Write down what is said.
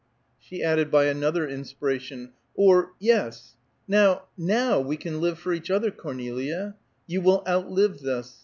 She added, by another inspiration, "Or, yes! Now now we can live for each other, Cornelia. You will outlive this.